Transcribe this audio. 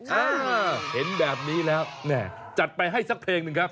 เออเห็นแบบนี้แล้วแม่จัดไปให้สักเพลงหนึ่งครับ